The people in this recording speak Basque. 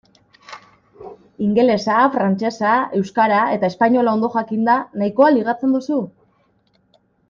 Ingelesa, frantsesa, euskara eta espainola ondo jakinda nahikoa ligatzen duzu?